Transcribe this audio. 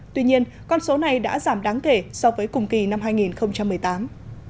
tuy nhiên con số này đã giảm đáng kể so với cùng kỳ năm hai nghìn một mươi tám